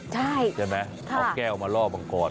ใช่ไหมเอาแก้วมาล่อมังกร